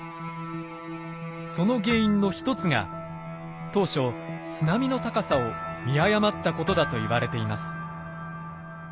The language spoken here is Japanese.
その原因の一つが当初津波の高さを見誤ったことだといわれています。